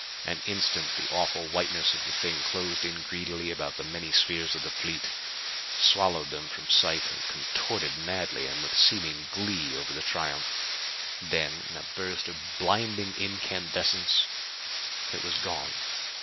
An instant the awful whiteness of the thing closed in greedily about the many spheres of the fleet; swallowed them from sight and contorted madly and with seeming glee over the triumph. Then, in a burst of blinding incandescence, it was gone.